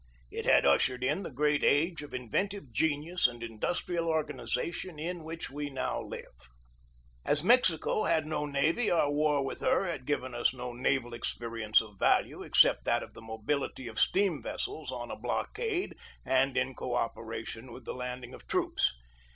It had ushered in the great age of inventive genius and industrial organization in which we now live. As Mexico had no navy our war with her had given us no naval experience of value except that of the mobility of steam vessels on a blockade and in co operation with the landing of troops.